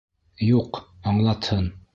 Юҡ, аңлатһын!